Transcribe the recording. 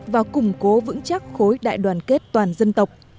và củng cố vững chắc khối đại đoàn kết toàn dân tộc